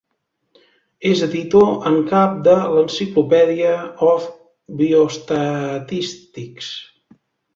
És editor en cap de l'Encyclopedia of Biostatistics.